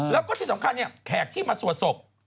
แล้วก็ที่สำคัญแค่ที่มาส่วนศพ